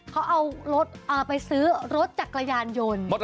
เขาเอารถไปซื้อรถจักรยานยนต์